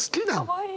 かわいい。